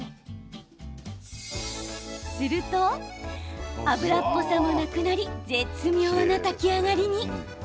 すると、油っぽさもなくなり絶妙な炊き上がりに。